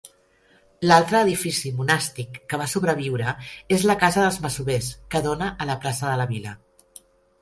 L'altre edifici monàstic que va sobreviure és la casa dels masovers que dona a la plaça de la vil·la.